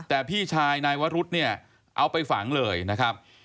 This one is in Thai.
แต่พี่ชายนายวรุษเนี่ยเอาไปฝังเลยนะครับ